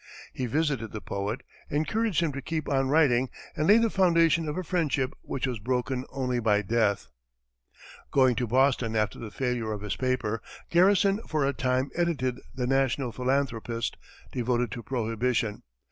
He visited the poet, encouraged him to keep on writing, and laid the foundation of a friendship which was broken only by death. Going to Boston after the failure of his paper, Garrison for a time edited the "National Philanthropist," devoted to prohibition.